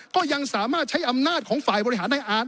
ก็ยังสามารถใช้อำนาจของฝ่ายบริหารในอาร์ต